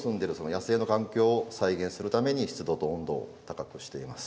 野生の環境を再現するために湿度と温度を高くしています。